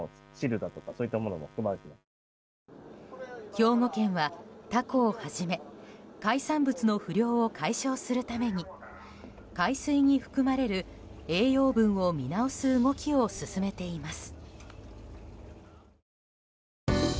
兵庫県はタコをはじめ海産物の不漁を解消するために海水に含まれる栄養分を見直す動きを進めています。